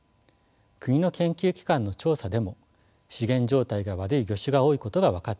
国の研究機関の調査でも資源状態が悪い魚種が多いことが分かっています。